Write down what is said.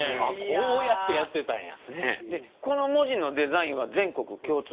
こうやってやってたんや。